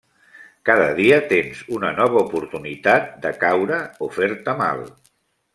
Cada dia tens una nova oportunitat de caure o fer-te mal.